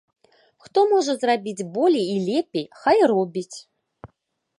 Хто можа зрабіць болей і лепей, хай робіць.